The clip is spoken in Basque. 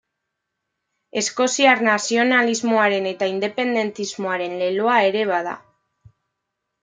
Eskoziar nazionalismoaren eta independentismoaren leloa ere bada.